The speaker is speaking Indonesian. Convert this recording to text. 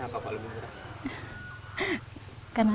kenapa lebih murah